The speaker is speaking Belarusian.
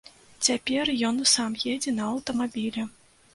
Цяпер ён сам едзе на аўтамабілі.